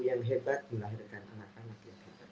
yang hebat melahirkan anak anak